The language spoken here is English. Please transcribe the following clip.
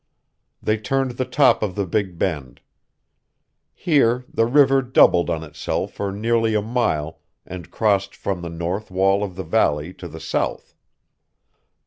They turned the top of the Big Bend. Here the river doubled on itself for nearly a mile and crossed from the north wall of the valley to the south.